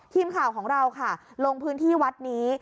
ทีมข่าวของเราค่ะลงพื้นที่วัดนี้